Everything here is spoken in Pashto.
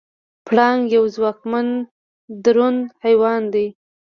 پړانګ یو ځواکمن درنده حیوان دی.